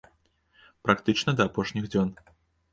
Практычна да апошніх дзён.